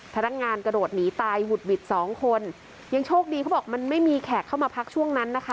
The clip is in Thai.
พนักงานกระโดดหนีตายหุดหวิดสองคนยังโชคดีเขาบอกมันไม่มีแขกเข้ามาพักช่วงนั้นนะคะ